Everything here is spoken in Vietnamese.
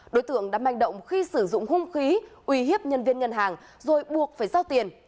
đối tượng đã manh động khi sử dụng hung khí uy hiếp nhân viên ngân hàng rồi buộc phải giao tiền